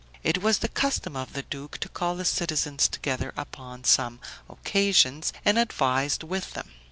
It was the custom of the duke to call the citizens together upon some occasions and advise with them.